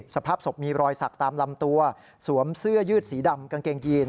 สภาพศพมีรอยสักตามลำตัวสวมเสื้อยืดสีดำกางเกงยีน